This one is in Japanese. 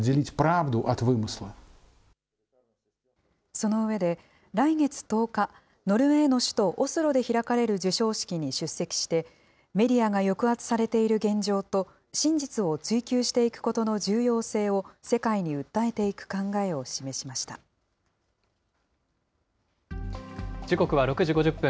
その上で、来月１０日、ノルウェーの首都オスロで開かれる授賞式に出席して、メディアが抑圧されている現状と、真実を追求していくことの重要性を世界に訴えていく考えを示しま時刻は６時５０分。